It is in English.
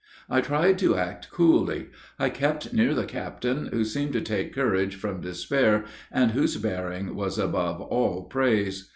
"I tried to act coolly I kept near the captain, who seemed to take courage from despair, and whose bearing was above all praise.